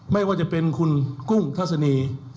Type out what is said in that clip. ไม่ว่าจะเป็นคุณกุ้งทัศนี